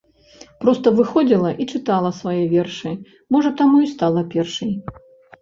Проста выходзіла і чытала свае вершы, можа таму і стала першай.